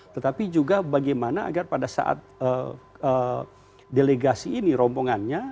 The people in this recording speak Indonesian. tetapi juga bagaimana agar pada saat delegasi ini rombongannya